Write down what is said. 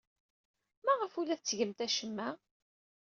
Maɣef ur la tettgemt acemma?